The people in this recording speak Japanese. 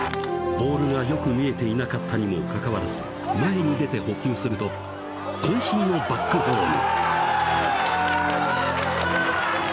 ボールがよく見えていなかったにもかかわらず前に出て捕球すると渾身のバックホーム！